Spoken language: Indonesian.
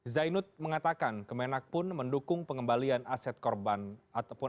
zainud mengatakan kemenak pun mendukung pengembalian aset korban ataupun